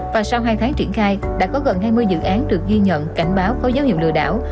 và sau hai tháng triển khai đã có gần hai mươi dự án được ghi nhận cảnh báo có dấu hiệu lừa đảo